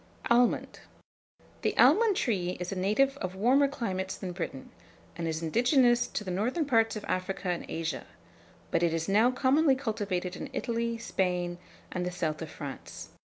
ALMOND. The almond tree is a native of warmer climates than Britain, and is indigenous to the northern parts of Africa and Asia; but it is now commonly cultivated in Italy, Spain, and the south of France.